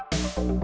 aku mau pergi dulu